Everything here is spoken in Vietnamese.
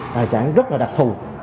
tài sản rất là đặc thù